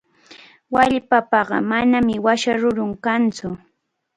Wallpapaqa manami washa rurun kantsu.